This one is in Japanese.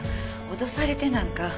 脅されてなんか。